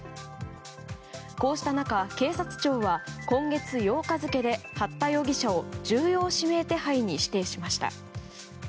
こうした中警察庁は今月８日付で八田容疑者を重要指名手配に指定しました。